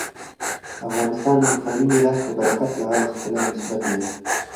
افغانستان عرفاني میراث په برکت لا غښتلی نسبت لري.